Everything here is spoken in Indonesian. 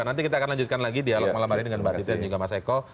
nanti kita akan lanjutkan lagi dialog malam hari ini dengan mbak titi dan juga mas eko